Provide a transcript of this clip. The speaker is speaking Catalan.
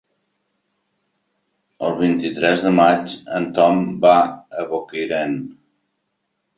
El vint-i-tres de maig en Tom va a Bocairent.